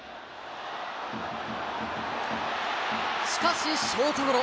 しかし、ショートゴロ。